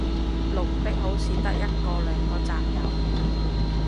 綠的好似得一兩個站有